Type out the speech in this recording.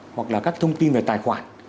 hoặc là các thông tin về tài khoản